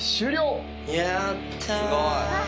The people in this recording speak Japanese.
やった。